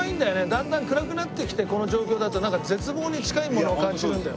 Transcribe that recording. だんだん暗くなってきてこの状況だと絶望に近いものを感じるんだよ